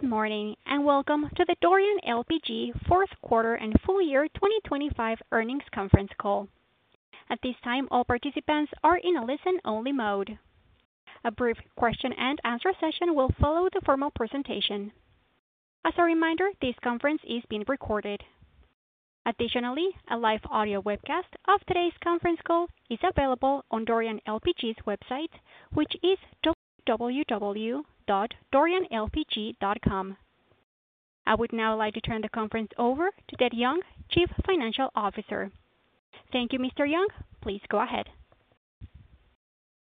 Good morning and welcome to the Dorian LPG Fourth Quarter and Full Year 2025 Earnings Conference Call. At this time, all participants are in a listen-only mode. A brief question-and-answer session will follow the formal presentation. As a reminder, this conference is being recorded. Additionally, a live audio webcast of today's conference call is available on Dorian LPG's website, which is www.dorianlpg.com. I would now like to turn the conference over to Ted Young, Chief Financial Officer. Thank you, Mr. Young. Please go ahead.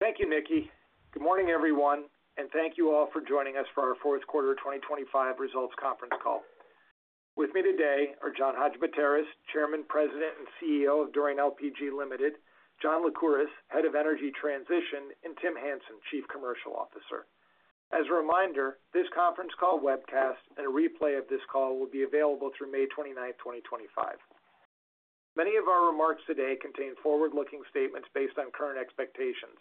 Thank you, Nikki. Good morning, everyone, and thank you all for joining us for our Fourth Quarter 2025 Results Conference Call. With me today are John Hadjipateras, Chairman, President, and CEO of Dorian LPG Limited., John Lycouris, Head of Energy Transition, and Tim Hansen, Chief Commercial Officer. As a reminder, this conference call webcast and a replay of this call will be available through May 29, 2025. Many of our remarks today contain forward-looking statements based on current expectations.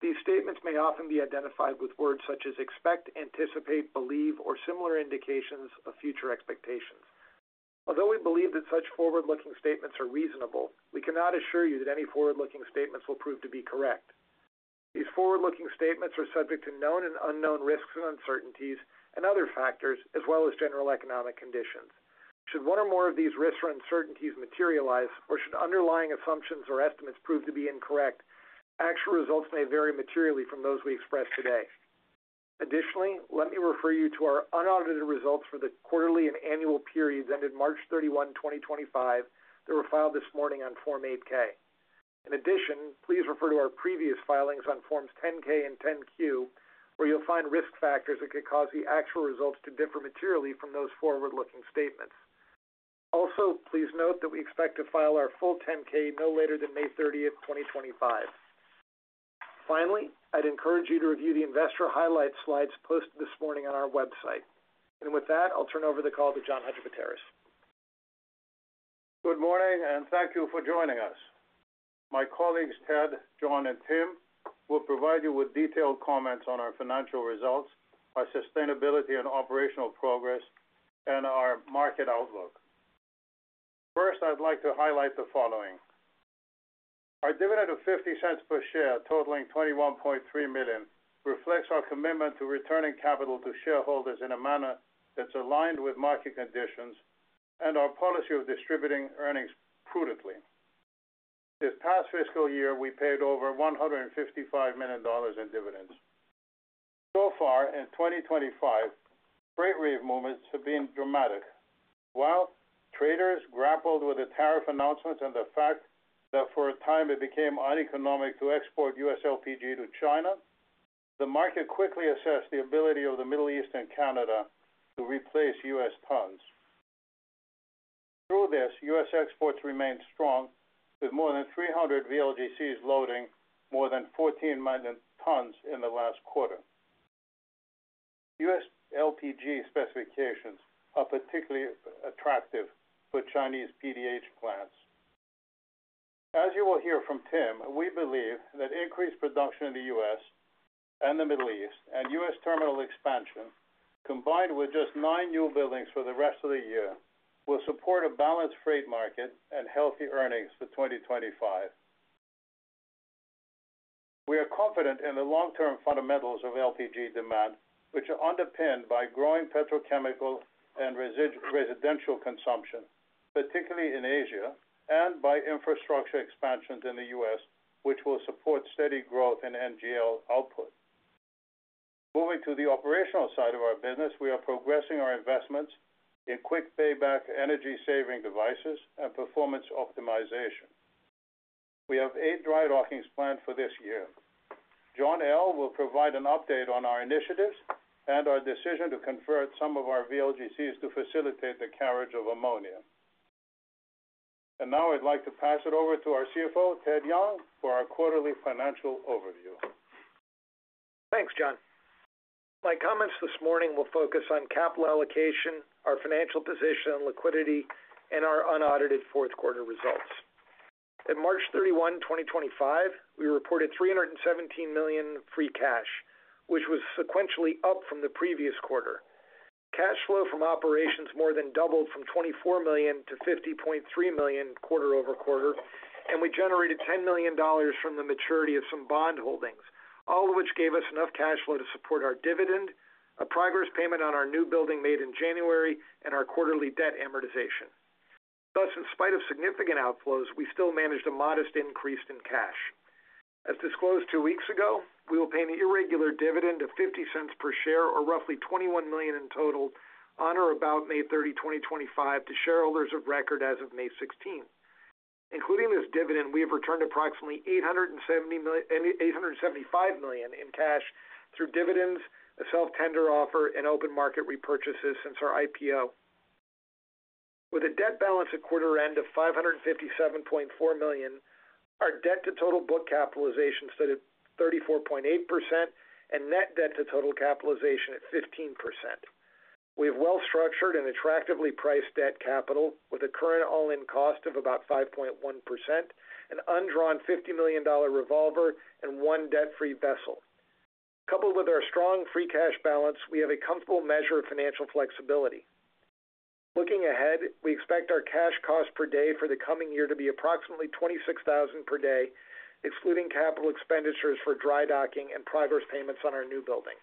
These statements may often be identified with words such as expect, anticipate, believe, or similar indications of future expectations. Although we believe that such forward-looking statements are reasonable, we cannot assure you that any forward-looking statements will prove to be correct. These forward-looking statements are subject to known and unknown risks and uncertainties and other factors, as well as general economic conditions. Should one or more of these risks or uncertainties materialize, or should underlying assumptions or estimates prove to be incorrect, actual results may vary materially from those we express today. Additionally, let me refer you to our unaudited results for the quarterly and annual periods ended March 31, 2025, that were filed this morning on Form 8-K. In addition, please refer to our previous filings on Forms 10-K and 10-Q, where you'll find risk factors that could cause the actual results to differ materially from those forward-looking statements. Also, please note that we expect to file our full 10-K no later than May 30th, 2025. Finally, I'd encourage you to review the investor highlights slides posted this morning on our website. With that, I'll turn over the call to John Hadjipateras. Good morning and thank you for joining us. My colleagues, Ted, John, and Tim, will provide you with detailed comments on our financial results, our sustainability and operational progress, and our market outlook. First, I'd like to highlight the following. Our dividend of $0.50 per share, totaling $21.3 million, reflects our commitment to returning capital to shareholders in a manner that's aligned with market conditions and our policy of distributing earnings prudently. This past fiscal year, we paid over $155 million in dividends. So far, in 2025, freight rate movements have been dramatic. While traders grappled with the tariff announcements and the fact that for a time it became uneconomic to export U.S. LPG to China, the market quickly assessed the ability of the Middle East and Canada to replace U.S. tons. Through this, U.S. exports remained strong, with more than 300 VLGCs loading more than 14 million tons in the last quarter. US LPG specifications are particularly attractive for Chinese PDH plants. As you will hear from Tim, we believe that increased production in the US and the Middle East and U.S. terminal expansion, combined with just nine new buildings for the rest of the year, will support a balanced freight market and healthy earnings for 2025. We are confident in the long-term fundamentals of LPG demand, which are underpinned by growing petrochemical and residential consumption, particularly in Asia, and by infrastructure expansions in the U.S., which will support steady growth in NGL output. Moving to the operational side of our business, we are progressing our investments in quick payback energy-saving devices and performance optimization. We have eight dry dockings planned for this year. John L. will provide an update on our initiatives and our decision to convert some of our VLGCs to facilitate the carriage of ammonia. I would like to pass it over to our CFO, Ted Young, for our quarterly financial overview. Thanks, John. My comments this morning will focus on capital allocation, our financial position on liquidity, and our unaudited fourth quarter results. At March 31, 2025, we reported $317 million free cash, which was sequentially up from the previous quarter. Cash flow from operations more than doubled from $24 million to $50.3 million quarter-over-quarter, and we generated $10 million from the maturity of some bond holdings, all of which gave us enough cash flow to support our dividend, a progress payment on our new building made in January, and our quarterly debt amortization. Thus, in spite of significant outflows, we still managed a modest increase in cash. As disclosed two weeks ago, we will pay an irregular dividend of $0.50 per share, or roughly $21 million in total, on or about May 30, 2025, to shareholders of record as of May 16. Including this dividend, we have returned approximately $875 million in cash through dividends, a self-tender offer, and open market repurchases since our IPO. With a debt balance at quarter end of $557.4 million, our debt-to-total book capitalization stood at 34.8% and net debt-to-total capitalization at 15%. We have well-structured and attractively priced debt capital with a current all-in cost of about 5.1%, an undrawn $50 million revolver, and one debt-free vessel. Coupled with our strong free cash balance, we have a comfortable measure of financial flexibility. Looking ahead, we expect our cash cost per day for the coming year to be approximately $26,000 per day, excluding capital expenditures for dry docking and progress payments on our new building.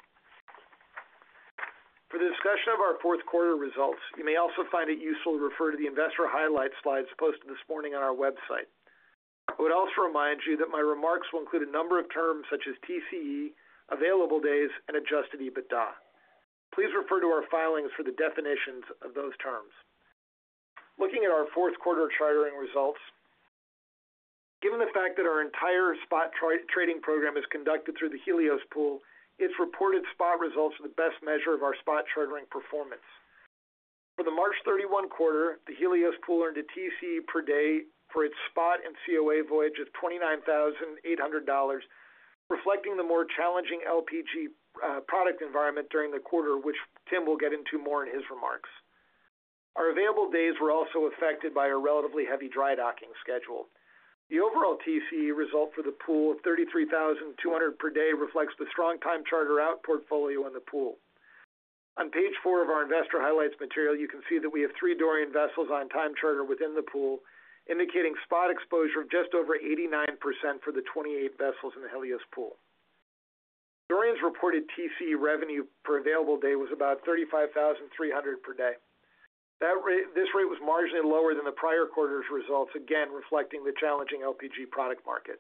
For the discussion of our fourth quarter results, you may also find it useful to refer to the investor highlights slides posted this morning on our website. I would also remind you that my remarks will include a number of terms such as TCE, available days, and adjusted EBITDA. Please refer to our filings for the definitions of those terms. Looking at our fourth quarter chartering results, given the fact that our entire spot trading program is conducted through the Helios pool, its reported spot results are the best measure of our spot chartering performance. For the March 31 quarter, the Helios pool earned a TCE per day for its spot and COA voyage of $29,800, reflecting the more challenging LPG product environment during the quarter, which Tim will get into more in his remarks. Our available days were also affected by a relatively heavy dry docking schedule. The overall TCE result for the pool of $33,200 per day reflects the strong time charter out portfolio in the pool. On page four of our investor highlights material, you can see that we have three Dorian vessels on time charter within the pool, indicating spot exposure of just over 89% for the 28 vessels in the Helios pool. Dorian's reported TCE revenue for available day was about $35,300 per day. This rate was marginally lower than the prior quarter's results, again reflecting the challenging LPG product market.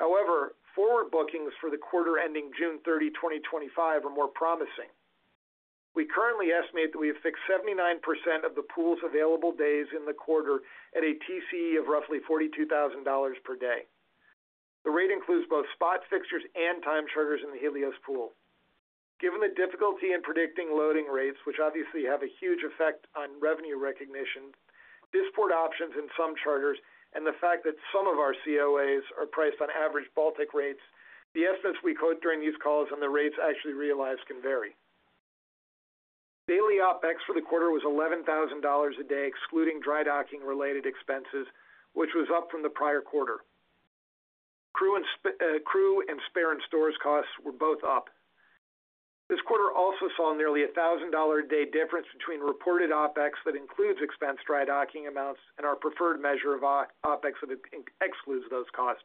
However, forward bookings for the quarter ending June 30, 2025, are more promising. We currently estimate that we have fixed 79% of the pool's available days in the quarter at a TCE of roughly $42,000 per day. The rate includes both spot fixtures and time charters in the Helios pool. Given the difficulty in predicting loading rates, which obviously have a huge effect on revenue recognition, disport options in some charters, and the fact that some of our COAs are priced on average Baltic rates, the estimates we quote during these calls and the rates actually realized can vary. Daily OpEx for the quarter was $11,000 a day, excluding dry docking-related expenses, which was up from the prior quarter. Crew and spare and stores costs were both up. This quarter also saw nearly $1,000 a day difference between reported OpEx that includes expense dry docking amounts and our preferred measure of OpEx that excludes those costs.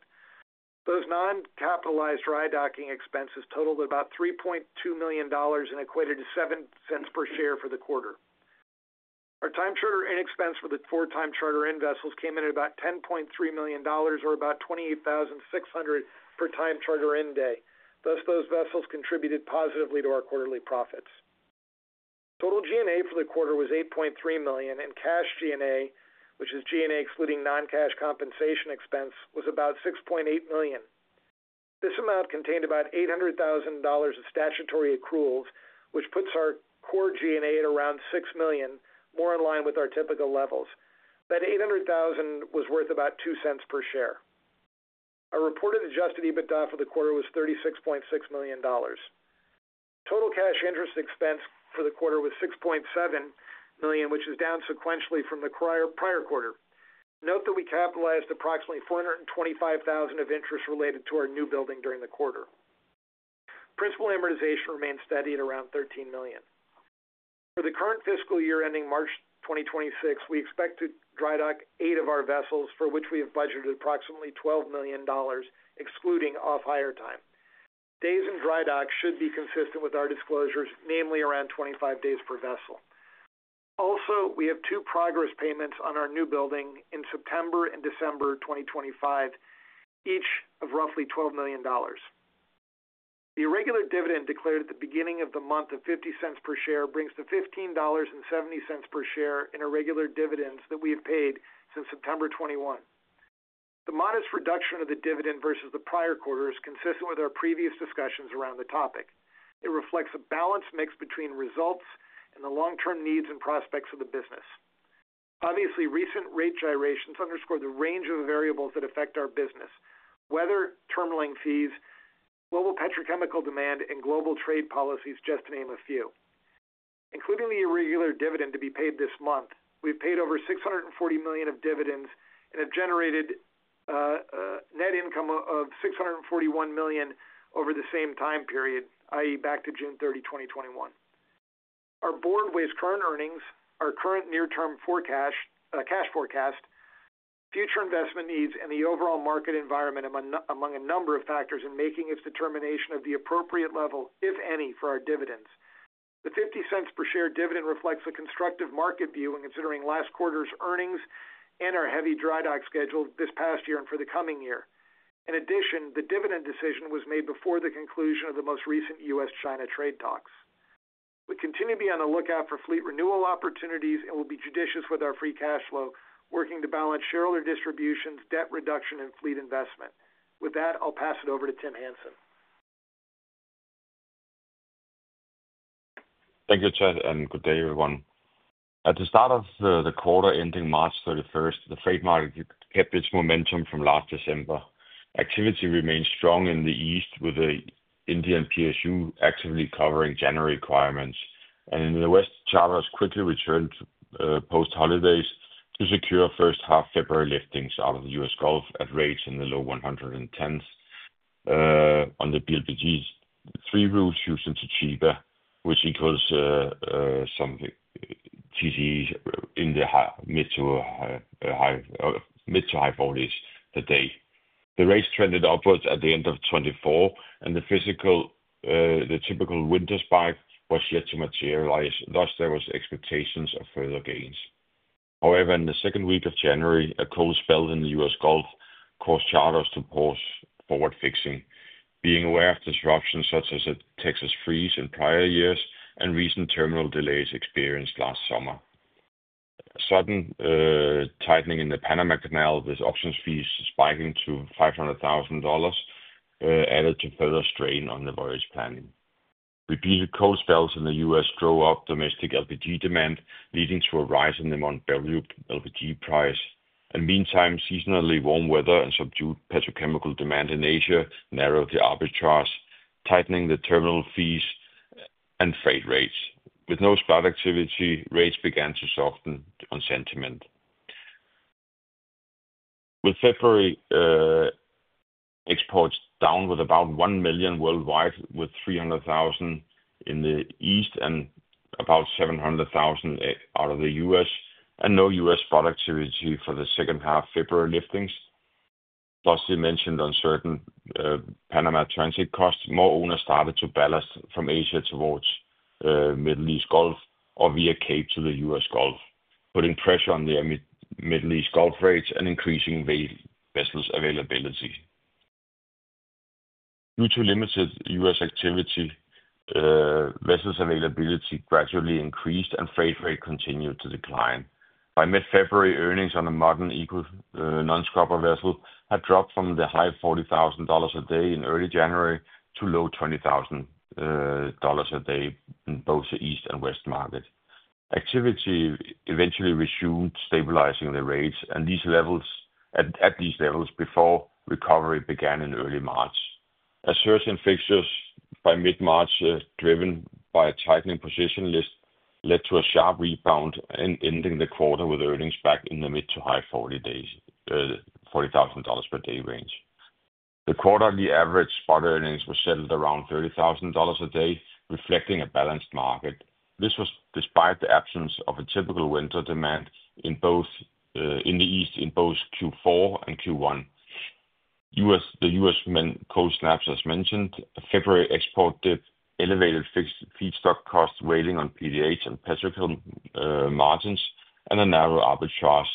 Those non-capitalized dry docking expenses totaled about $3.2 million and equated to $0.07 per share for the quarter. Our time charter in expense for the four time charter in vessels came in at about $10.3 million, or about $28,600 per time charter in day. Thus, those vessels contributed positively to our quarterly profits. Total G&A for the quarter was $8.3 million, and cash G&A, which is G&A excluding non-cash compensation expense, was about $6.8 million. This amount contained about $800,000 of statutory accruals, which puts our core G&A at around $6 million, more in line with our typical levels. That $800,000 was worth about $0.02 per share. Our reported adjusted EBITDA for the quarter was $36.6 million. Total cash interest expense for the quarter was $6.7 million, which is down sequentially from the prior quarter. Note that we capitalized approximately $425,000 of interest related to our new building during the quarter. Principal amortization remained steady at around $13 million. For the current fiscal year ending March 2026, we expect to dry dock eight of our vessels, for which we have budgeted approximately $12 million, excluding off-hire time. Days in dry dock should be consistent with our disclosures, namely around 25 days per vessel. Also, we have two progress payments on our new building in September and December 2025, each of roughly $12 million. The irregular dividend declared at the beginning of the month of $0.50 per share brings to $15.70 per share in irregular dividends that we have paid since September 2021. The modest reduction of the dividend versus the prior quarter is consistent with our previous discussions around the topic. It reflects a balanced mix between results and the long-term needs and prospects of the business. Obviously, recent rate gyrations underscore the range of variables that affect our business, whether terminaling fees, global petrochemical demand, and global trade policies, just to name a few. Including the irregular dividend to be paid this month, we've paid over $640 million of dividends and have generated net income of $641 million over the same time period, i.e., back to June 30, 2021. Our board weighs current earnings, our current near-term cash forecast, future investment needs, and the overall market environment among a number of factors in making its determination of the appropriate level, if any, for our dividends. The $0.50 per share dividend reflects a constructive market view when considering last quarter's earnings and our heavy dry dock schedule this past year and for the coming year. In addition, the dividend decision was made before the conclusion of the most recent U.S.-China trade talks. We continue to be on the lookout for fleet renewal opportunities and will be judicious with our free cash flow, working to balance shareholder distributions, debt reduction, and fleet investment. With that, I'll pass it over to Tim Hansen. Thank you, Ted, and good day, everyone. At the start of the quarter ending March 31st, the trade market kept its momentum from last December. Activity remained strong in the east, with the Indian PSU actively covering January requirements. In the west, charters quickly returned post-holidays to secure first-half February liftings out of the U.S. Gulf at rates in the low 110s on the BLPGs. Three routes used into Chiba, which equals some TCEs in the mid to high 40s that day. The rates trended upwards at the end of 2024, and the typical winter spike was yet to materialize. Thus, there were expectations of further gains. However, in the second week of January, a cold spell in the U.S. Gulf caused charters to pause forward fixing, being aware of disruptions such as a Texas freeze in prior years and recent terminal delays experienced last summer. Sudden tightening in the Panama Canal, with options fees spiking to $500,000, added to further strain on the voyage planning. Repeated cold spells in the U.S. drove up domestic LPG demand, leading to a rise in the Mont Belvieu LPG price. In the meantime, seasonally warm weather and subdued petrochemical demand in Asia narrowed the arbitrage, tightening the terminal fees and freight rates. With no spot activity, rates began to soften on sentiment. With February exports down with about $1 million worldwide, with $300,000 in the east and about $700,000 out of the U.S., and no U.S. spot activity for the second-half February liftings. Thus, you mentioned uncertain Panama transit costs. More owners started to ballast from Asia towards the Middle East Gulf or via Cape to the U.S. Gulf, putting pressure on the Middle East Gulf rates and increasing vessels availability. Due to limited US activity, vessels availability gradually increased and freight rate continued to decline. By mid-February, earnings on a modern non-scrubber vessel had dropped from the high $40,000 a day in early January to low $20,000 a day in both the east and west market. Activity eventually resumed, stabilizing the rates at these levels before recovery began in early March. As certain fixtures by mid-March, driven by a tightening position list, led to a sharp rebound and ending the quarter with earnings back in the mid to high $40,000 per day range. The quarterly average spot earnings were settled around $30,000 a day, reflecting a balanced market. This was despite the absence of a typical winter demand in the east in both Q4 and Q1. The U.S. cold snaps, as mentioned, February export dip elevated feedstock costs wailing on PDH and petrochemical margins and a narrow arbitrage,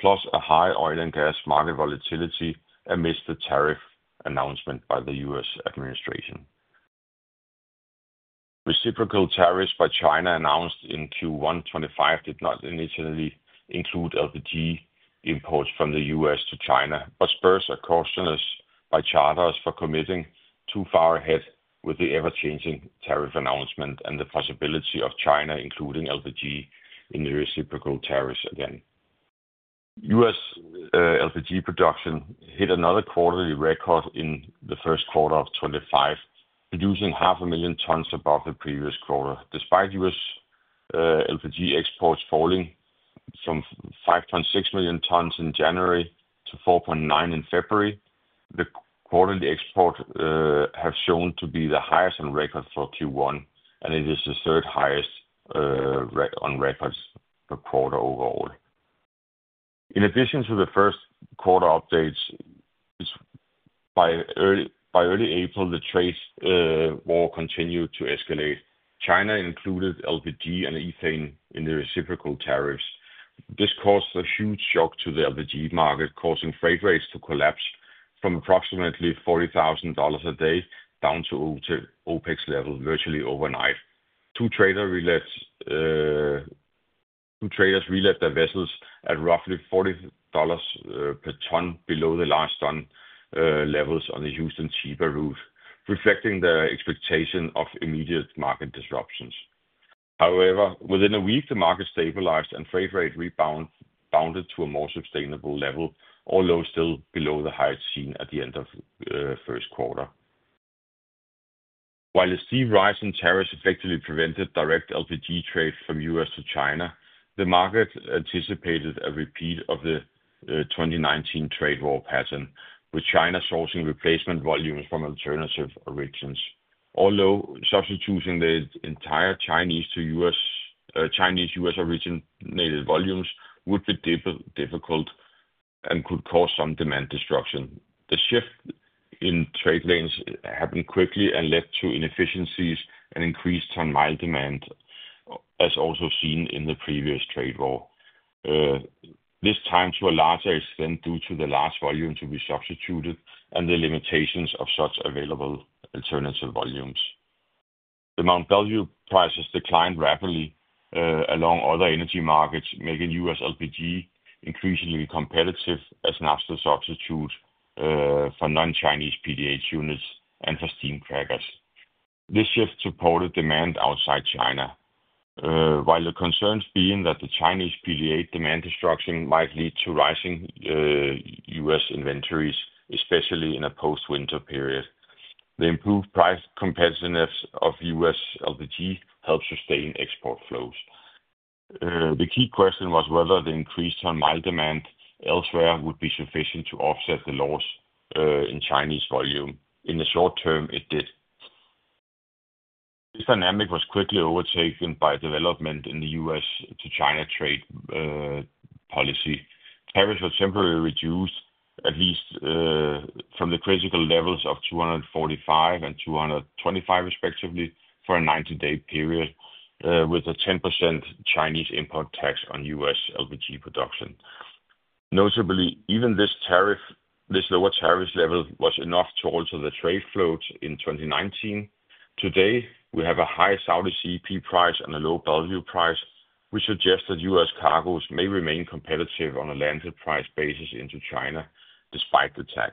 plus a high oil and gas market volatility amidst the tariff announcement by the U.S. administration. Reciprocal tariffs by China announced in Q1 2025 did not initially include LPG imports from the U.S. to China, but spurred a caution as by charters for committing too far ahead with the ever-changing tariff announcement and the possibility of China including LPG in the reciprocal tariffs again. U.S. LPG production hit another quarterly record in the first quarter of 2025, producing 500,000 tons above the previous quarter. Despite U.S. LPG exports falling from 5.6 million tons in January to 4.9 in February, the quarterly exports have shown to be the highest on record for Q1, and it is the third highest on record per quarter overall. In addition to the first quarter updates, by early April, the trade war continued to escalate. China included LPG and ethane in the reciprocal tariffs. This caused a huge shock to the LPG market, causing freight rates to collapse from approximately $40,000 a day down to OpEx level virtually overnight. Two traders relit their vessels at roughly $40 per ton below the last ton levels on the Houston-Chiba route, reflecting the expectation of immediate market disruptions. However, within a week, the market stabilized and freight rate rebounded to a more sustainable level, although still below the highs seen at the end of the first quarter. While a steep rise in tariffs effectively prevented direct LPG trade from U.S. to China, the market anticipated a repeat of the 2019 trade war pattern, with China sourcing replacement volumes from alternative origins. Although substituting the entire Chinese to U.S. originated volumes would be difficult and could cause some demand destruction, the shift in trade lanes happened quickly and led to inefficiencies and increased ton-mile demand, as also seen in the previous trade war. This time, to a larger extent, due to the large volumes to be substituted and the limitations of such available alternative volumes. The Mont Belvieu prices declined rapidly along other energy markets, making U.S. LPG increasingly competitive as an after-substitute for non-Chinese PDH units and for steam crackers. This shift supported demand outside China, while the concerns being that the Chinese PDH demand destruction might lead to rising U.S. inventories, especially in a post-winter period. The improved price competitiveness of U.S. LPG helped sustain export flows. The key question was whether the increased ton-mile demand elsewhere would be sufficient to offset the loss in Chinese volume. In the short term, it did. This dynamic was quickly overtaken by development in the U.S. to China trade policy. Tariffs were temporarily reduced, at least from the critical levels of 245 and 225, respectively, for a 90-day period, with a 10% Chinese import tax on U.S. LPG production. Notably, even this lower tariff level was enough to alter the trade floats in 2019. Today, we have a high Saudi CP price and a low value price, which suggests that U.S. cargoes may remain competitive on a landed price basis into China despite the tax.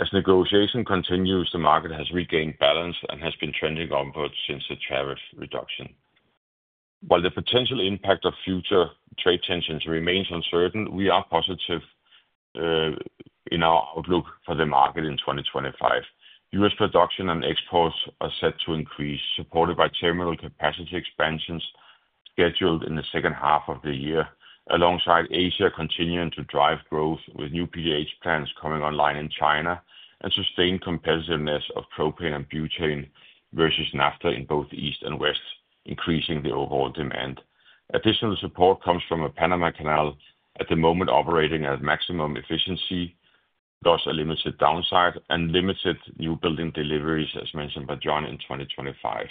As negotiation continues, the market has regained balance and has been trending upwards since the tariff reduction. While the potential impact of future trade tensions remains uncertain, we are positive in our outlook for the market in 2025. U.S. production and exports are set to increase, supported by terminal capacity expansions scheduled in the second half of the year, alongside Asia continuing to drive growth with new PDH plants coming online in China and sustained competitiveness of propane and butane versus naphtha in both east and west, increasing the overall demand. Additional support comes from a Panama Canal at the moment operating at maximum efficiency. Thus, a limited downside and limited new building deliveries, as mentioned by John in 2025.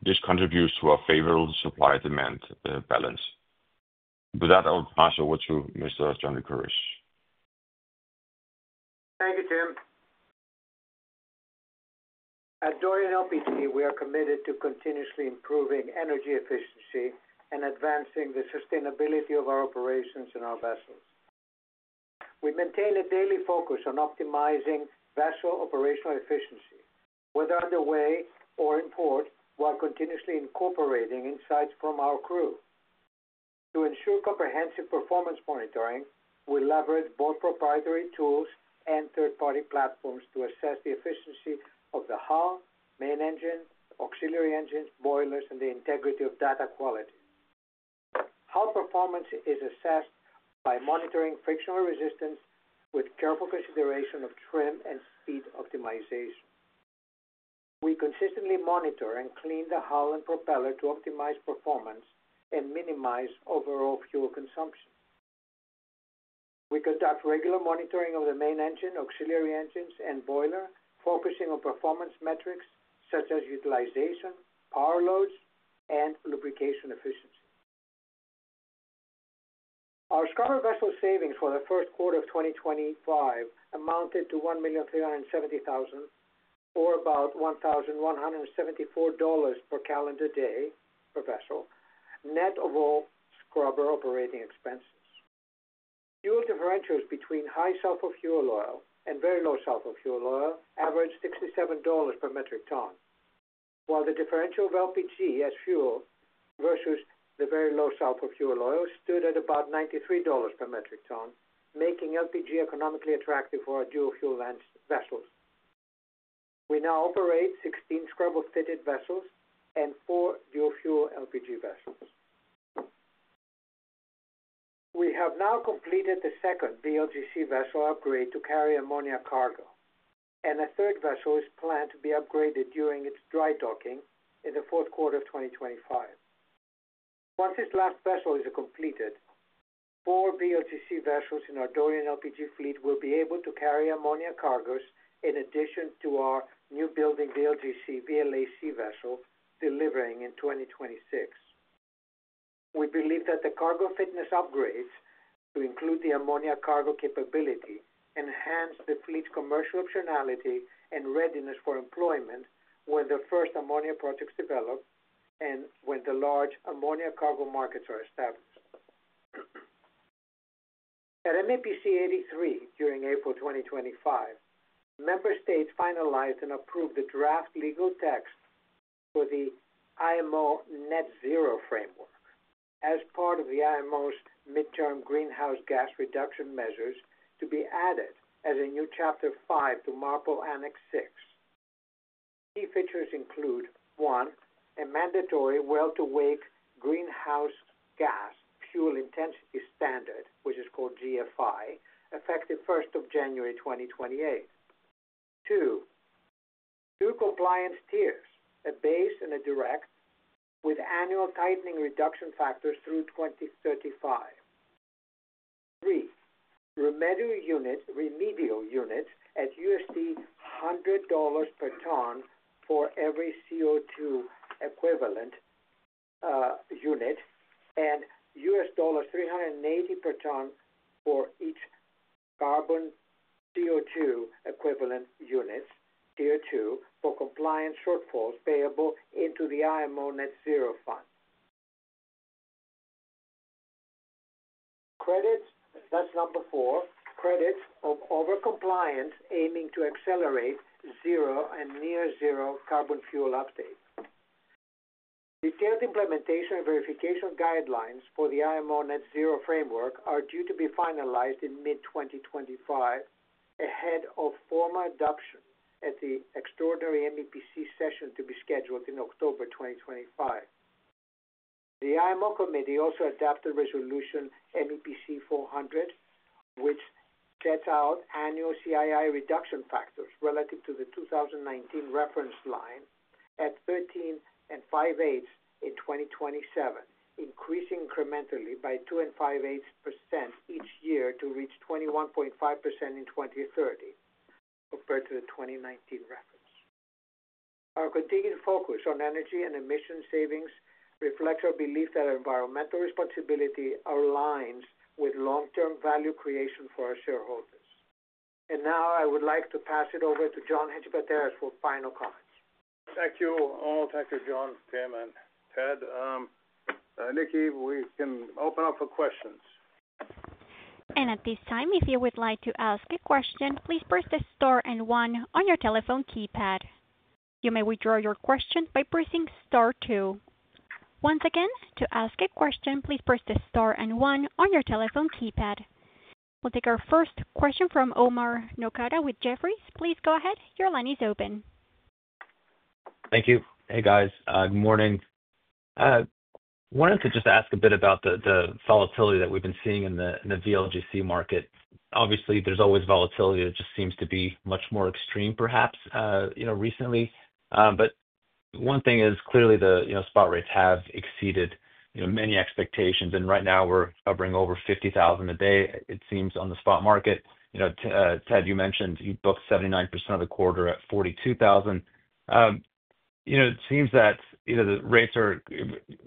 This contributes to a favorable supply-demand balance. With that, I'll pass over to Mr. John Lycouris. Thank you, Tim. At Dorian LPG, we are committed to continuously improving energy efficiency and advancing the sustainability of our operations and our vessels. We maintain a daily focus on optimizing vessel operational efficiency, whether underway or in port, while continuously incorporating insights from our crew. To ensure comprehensive performance monitoring, we leverage both proprietary tools and third-party platforms to assess the efficiency of the hull, main engine, auxiliary engines, boilers, and the integrity of data quality. Hull performance is assessed by monitoring frictional resistance with careful consideration of trim and speed optimization. We consistently monitor and clean the hull and propeller to optimize performance and minimize overall fuel consumption. We conduct regular monitoring of the main engine, auxiliary engines, and boiler, focusing on performance metrics such as utilization, power loads, and lubrication efficiency. Our scrubber vessel savings for the first quarter of 2025 amounted to $1,370,000, or about $1,174 per calendar day per vessel, net of all scrubber operating expenses. Fuel differentials between high sulfur fuel oil and very low sulfur fuel oil averaged $67 per metric ton, while the differential of LPG as fuel versus the very low sulfur fuel oil stood at about $93 per metric ton, making LPG economically attractive for our dual-fuel vessels. We now operate 16 scrubber-fitted vessels and four dual-fuel LPG vessels. We have now completed the second VLGC vessel upgrade to carry ammonia cargo, and a third vessel is planned to be upgraded during its dry docking in the fourth quarter of 2025. Once this last vessel is completed, four VLGC vessels in our Dorian LPG fleet will be able to carry ammonia cargos in addition to our newbuilding VLGC VLAC vessel delivering in 2026. We believe that the cargo fitness upgrades to include the ammonia cargo capability enhance the fleet's commercial optionality and readiness for employment when the first ammonia projects develop and when the large ammonia cargo markets are established. At MEPC 83 during April 2025, member states finalized and approved the draft legal text for the IMO Net Zero Framework as part of the IMO's midterm greenhouse gas reduction measures to be added as a new Chapter 5 to MARPOL Annex VI. Key features include: one, a mandatory well-to-wake greenhouse gas fuel intensity standard, which is called GFI, effective 1st January of 2028. Two, two compliance tiers, a base and a direct, with annual tightening reduction factors through 2035. Three, remedial units at $100 per ton for every CO2 equivalent unit and $380 per ton for each carbon CO2 equivalent unit, tier two, for compliance shortfalls payable into the IMO Net Zero Fund. Credits, that's number four, credits of overcompliance aiming to accelerate zero and near-zero carbon fuel uptake. Detailed implementation and verification guidelines for the IMO Net Zero Framework are due to be finalized in mid-2025 ahead of formal adoption at the extraordinary MEPC session to be scheduled in October 2025. The IMO committee also adopted resolution MEPC 400, which sets out annual CII reduction factors relative to the 2019 reference line at 13.58% in 2027, increasing incrementally by 2.58% each year to reach 21.5% in 2030 compared to the 2019 reference. Our continued focus on energy and emission savings reflects our belief that our environmental responsibility aligns with long-term value creation for our shareholders. I would like to pass it over to John Hadjipateras for final comments. Thank you all. Thank you, John, Tim, and Ted. Nikki, we can open up for questions. At this time, if you would like to ask a question, please press the star and one on your telephone keypad. You may withdraw your question by pressing star two. Once again, to ask a question, please press the star and one on your telephone keypad. We'll take our first question from Omar Nokta with Jefferies. Please go ahead. Your line is open. Thank you. Hey, guys. Good morning. I wanted to just ask a bit about the volatility that we've been seeing in the VLGC market. Obviously, there's always volatility. It just seems to be much more extreme, perhaps, recently. One thing is clearly the spot rates have exceeded many expectations. Right now, we're covering over $50,000 a day, it seems, on the spot market. Ted, you mentioned you booked 79% of the quarter at $42,000. It seems that the rates are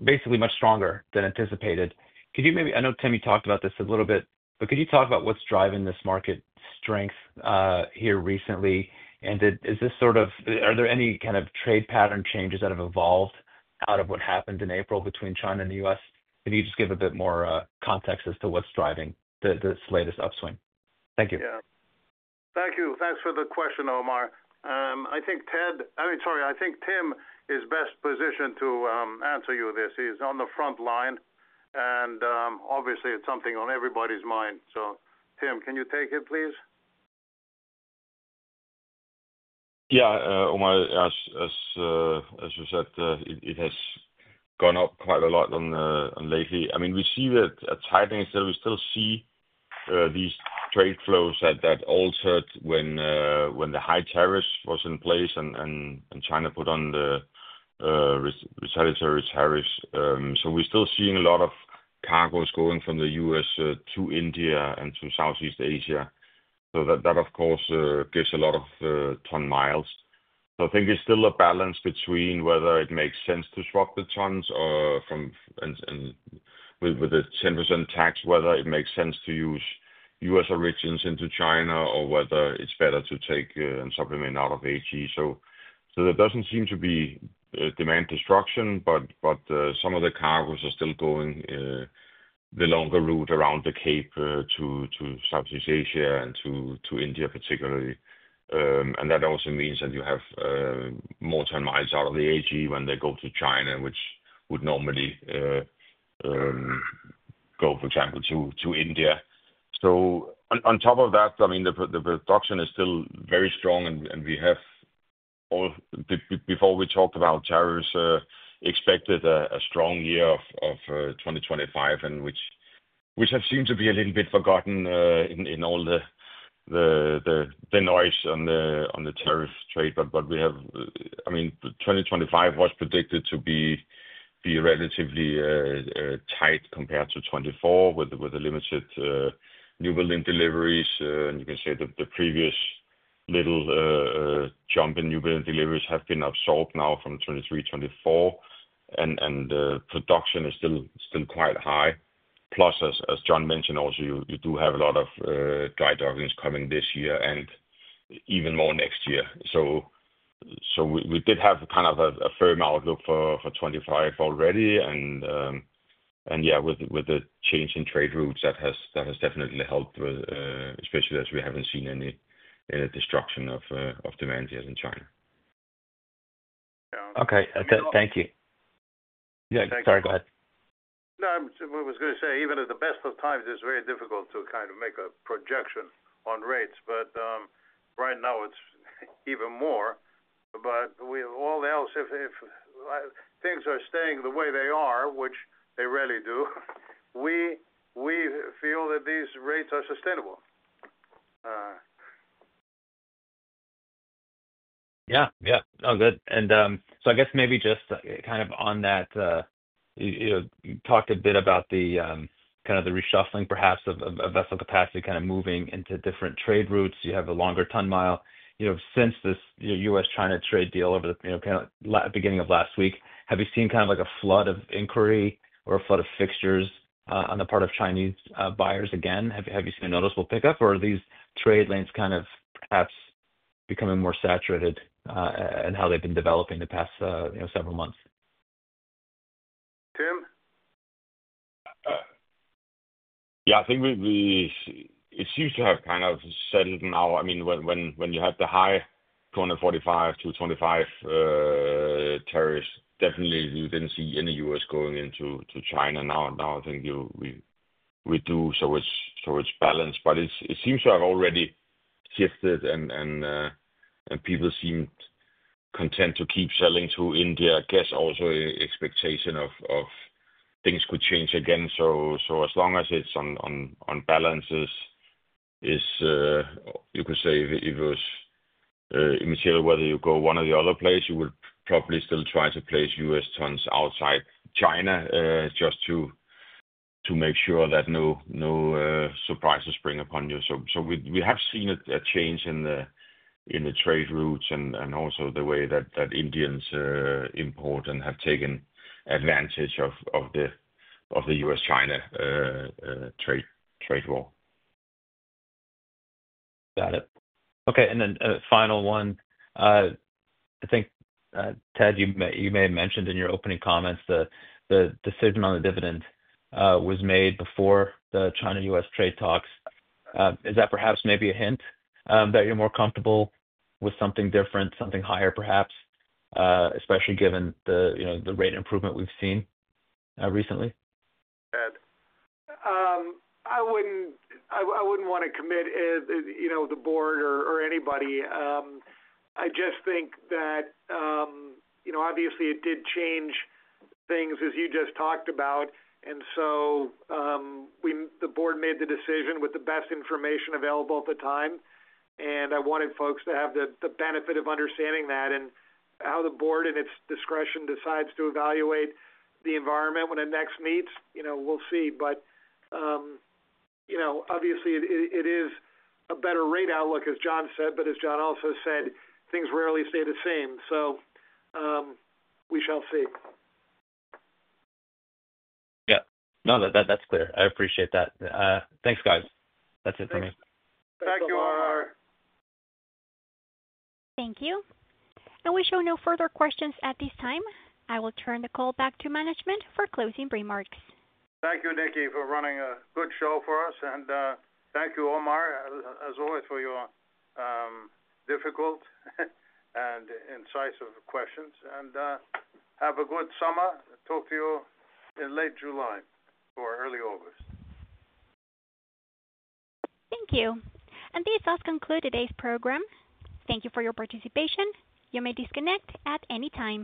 basically much stronger than anticipated. Could you maybe, I know Tim, you talked about this a little bit, could you talk about what's driving this market strength here recently? Is this sort of, are there any kind of trade pattern changes that have evolved out of what happened in April between China and the U.S.? Could you just give a bit more context as to what's driving this latest upswing? Thank you. Yeah. Thank you. Thanks for the question, Omar. I think Ted, I mean, sorry, I think Tim is best positioned to answer you this. He's on the front line, and obviously, it's something on everybody's mind. Tim, can you take it, please? Yeah. Omar, as you said, it has gone up quite a lot lately. I mean, we see that tightening instead, we still see these trade flows that altered when the high tariffs were in place and China put on the retaliatory tariffs. We are still seeing a lot of cargoes going from the U.S. to India and to Southeast Asia. That, of course, gives a lot of ton miles. I think it is still a balance between whether it makes sense to swap the tons and with the 10% tax, whether it makes sense to use U.S. origins into China or whether it is better to take and supplement out of AG. There does not seem to be demand destruction, but some of the cargoes are still going the longer route around the Cape to Southeast Asia and to India, particularly. That also means that you have more ton miles out of the AG when they go to China, which would normally go, for example, to India. On top of that, I mean, the production is still very strong, and we have, before we talked about tariffs, expected a strong year of 2025, which has seemed to be a little bit forgotten in all the noise on the tariff trade. We have, I mean, 2025 was predicted to be relatively tight compared to 2024 with the limited new building deliveries. You can say that the previous little jump in new building deliveries has been absorbed now from 2023, 2024, and production is still quite high. Plus, as John mentioned also, you do have a lot of dry dockings coming this year and even more next year. We did have kind of a firm outlook for 2025 already. Yeah, with the change in trade routes, that has definitely helped, especially as we haven't seen any destruction of demand here in China. Okay. Thank you. Yeah. Sorry, go ahead. No, I was going to say, even at the best of times, it's very difficult to kind of make a projection on rates. Right now, it's even more. All else, if things are staying the way they are, which they rarely do, we feel that these rates are sustainable. Yeah. Yeah. Oh, good. I guess maybe just kind of on that, you talked a bit about kind of the reshuffling, perhaps, of vessel capacity kind of moving into different trade routes. You have a longer ton mile since this U.S.-China trade deal over the beginning of last week. Have you seen kind of a flood of inquiry or a flood of fixtures on the part of Chinese buyers again? Have you seen a noticeable pickup, or are these trade lanes kind of perhaps becoming more saturated in how they've been developing the past several months? Tim? Yeah. I think it seems to have kind of settled now. I mean, when you had the high 24%-25% tariffs, definitely, you did not see any U.S. going into China. Now, I think we do, so it is balanced. It seems to have already shifted, and people seem content to keep selling to India. I guess also expectation of things could change again. As long as it is on balances, you could say it was immaterial whether you go one or the other place. You would probably still try to place U.S. tons outside China just to make sure that no surprises spring upon you. We have seen a change in the trade routes and also the way that Indians import and have taken advantage of the U.S.-China trade war. Got it. Okay. And then final one. I think, Ted, you may have mentioned in your opening comments that the decision on the dividend was made before the China-U.S. trade talks. Is that perhaps maybe a hint that you're more comfortable with something different, something higher, perhaps, especially given the rate improvement we've seen recently? I wouldn't want to commit the board or anybody. I just think that, obviously, it did change things, as you just talked about. The board made the decision with the best information available at the time. I wanted folks to have the benefit of understanding that. How the board in its discretion decides to evaluate the environment when it next meets, we'll see. Obviously, it is a better rate outlook, as John said. As John also said, things rarely stay the same. We shall see. Yeah. No, that's clear. I appreciate that. Thanks, guys. That's it for me. Thank you. Thank you, Omar. Thank you. We show no further questions at this time. I will turn the call back to management for closing remarks. Thank you, Nikki, for running a good show for us. Thank you, Omar, as always, for your difficult and incisive questions. Have a good summer. Talk to you in late July or early August. Thank you. This does conclude today's program. Thank you for your participation. You may disconnect at any time.